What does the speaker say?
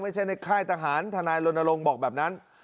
ไม่ใช่ในค่ายทหารทนายรณรงค์บอกแบบนั้น